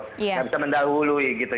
nggak bisa mendahului gitu